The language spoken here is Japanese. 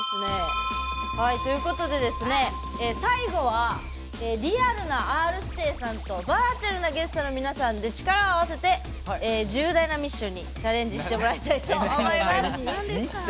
最後はリアルなＲ‐指定さんとバーチャルなゲストの皆さんで力を合わせて重大なミッションにチャレンジしてもらいたいと思います。